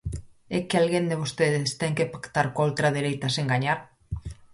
¿É que alguén de vostedes ten que pactar coa ultradereita sen gañar?